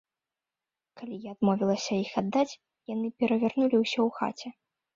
Калі я адмовілася іх аддаць, яны перавярнулі ўсё ў хаце.